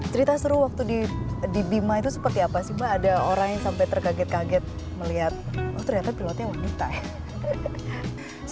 cerita seru waktu di bima itu seperti apa sih mbak ada orang yang sampai terkaget kaget melihat oh ternyata pilotnya wanita ya